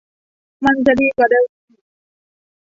มันจะดีกว่าเดิม